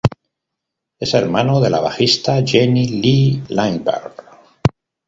Es hermana de la bajista Jenny Lee Lindberg.